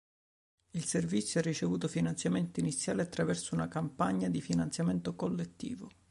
Il servizio ha ricevuto finanziamenti iniziali attraverso una campagna di finanziamento collettivo.